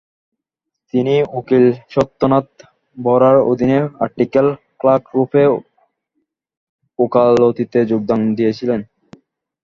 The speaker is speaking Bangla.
তিনি উকিল সত্যনাথ বরার অধীনে আর্টিকেল ক্লার্ক রুপে উকালতিতে যোগদান দিয়েছিলেন।